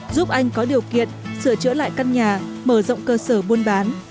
giúp anh có điều kiện sửa chữa lại căn nhà mở rộng cơ sở buôn bán